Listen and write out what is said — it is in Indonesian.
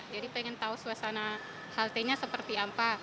jadi pengen tau suasana haltenya seperti apa